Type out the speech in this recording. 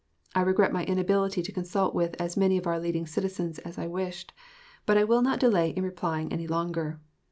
I regret my inability to consult with as many of our leading citizens as I wished, but I will not delay in replying any longer.